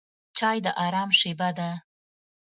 چای د آرام شېبه ده.